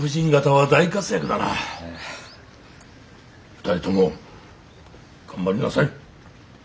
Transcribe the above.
２人とも頑張りなさい！